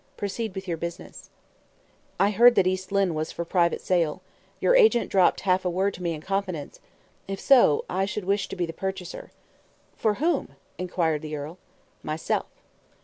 Proceed with your business." "I heard that East Lynne was for private sale; your agent dropped half a word to me in confidence. If so, I should wish to be the purchaser." "For whom?" inquired the earl. "Myself."